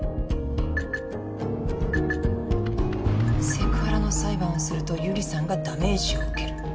セクハラの裁判をすると由里さんがダメージを受ける。